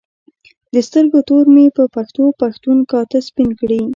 د سترګو تور مې په پښتو پښتون کاته سپین کړي